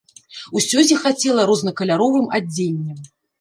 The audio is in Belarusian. Усё зіхацела рознакаляровым адзеннем.